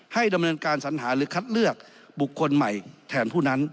ให้ดำเนินการสัญหาหรือคัดเลือกบุคคลใหม่แทนผู้นั้น